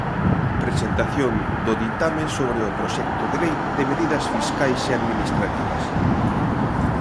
Presentación do Ditame sobre o Proxecto de lei de medidas fiscais e administrativas.